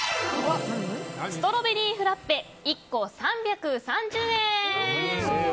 ストロベリーフラッペ１個３３０円。